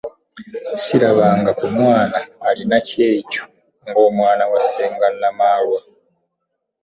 Sirabanga ku mwana alina kyejo nga omwana wa ssenga Namaalwa.